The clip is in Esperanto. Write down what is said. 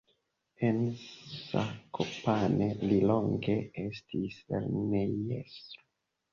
En Zakopane li longe estis lernejestro.